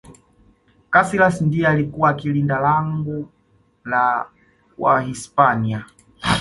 kasilas ndiye alikuwa akilinda langu la wahispania